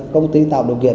công ty tạo điều kiện